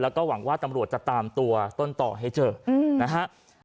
แล้วก็หวังว่าตำรวจจะตามตัวต้นต่อให้เจอนะฮะ